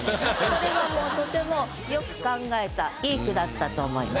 これはもうとてもよく考えたいい句だったと思います。